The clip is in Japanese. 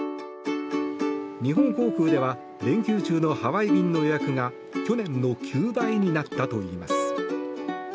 日本航空では連休中のハワイ便の予約が去年の９倍になったといいます。